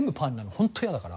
本当嫌だから。